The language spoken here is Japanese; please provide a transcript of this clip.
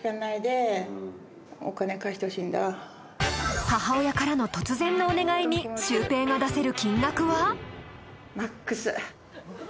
「氷結」母親からの突然のお願いにシュウペイが出せる金額は？